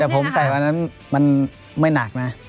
แต่ผมใส่วันนั้นมันไม่หนักนะ